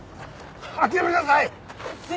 諦めなさい！